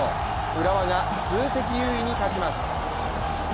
浦和が数的優位に立ちます。